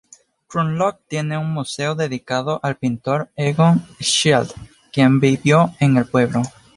Krumlov tiene un museo dedicado al pintor Egon Schiele, quien vivió en el pueblo.